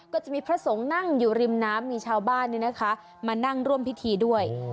ก็จะมีพระสงฆ์นั่งอยู่ริมน้ำมีชาวบ้านมานั่งร่วมพิธีด้วย